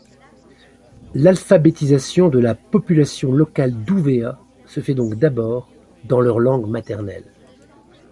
L'alphabétisation de la population locale d'Uvea se fait donc d'abord dans leur langue maternelle.